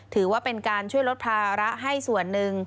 ถือว่าเป็นการช่วยลดภาระให้ส่วนหนึ่ง